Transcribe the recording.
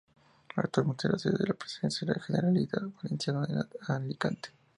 Actualmente, es la sede de la Presidencia de la Generalidad Valenciana en Alicante.